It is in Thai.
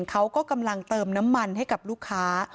เขาก็กำลังเติมน้ำมันให้กับลูกค้า